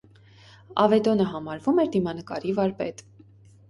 Ավեդոնը համարվում էր դիմանկարի վարպետ։